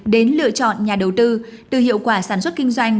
đến lựa chọn nhà đầu tư từ hiệu quả sản xuất kinh doanh